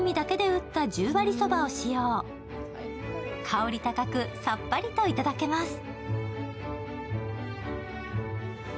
香り高くさっぱりといただけます。